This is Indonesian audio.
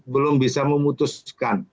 belum bisa memutuskan